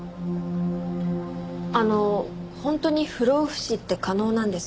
あの本当に不老不死って可能なんですか？